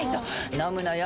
飲むのよ